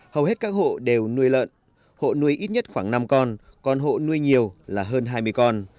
hầu hết các hộ đều nuôi lợn hộ nuôi ít nhất khoảng năm con còn hộ nuôi nhiều là hơn hai mươi con